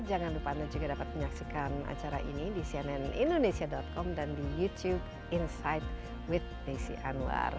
jangan lupa anda juga dapat menyaksikan acara ini di cnn indonesia com dan di youtube insight with desy anwar